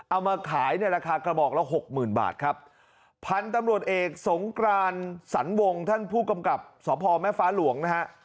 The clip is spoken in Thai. เอามาขายในราคากระบอกละหกหมื่นบาทครับพันธุ์ตำรวจเอกสงกรานสรรวงท่านผู้กำกับสพแม่ฟ้าหลวงนะฮะ